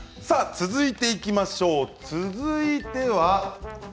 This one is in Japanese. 続いていきましょう。